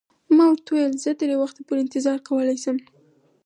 ما ورته وویل: زه تر یو وخته پورې انتظار کولای شم.